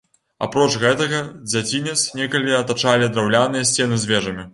Апроч гэтага, дзяцінец некалі атачалі драўляныя сцены з вежамі.